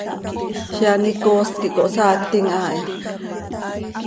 Ziix an icoos quij cohsaactim haa hi.